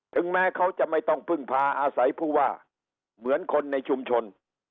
ถึงแม้เขาจะไม่ต้องพึ่งพาอาศัยผู้ว่าเหมือนคนในชุมชน